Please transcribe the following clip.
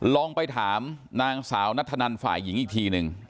ลองไปถามนางสาวนัทธนันฝ่ายหญิงอีกทีหนึ่ง